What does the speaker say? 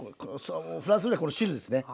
フランスではこの汁ですね。